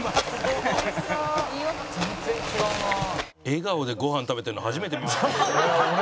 笑顔でご飯食べてるの初めて見ましたよ。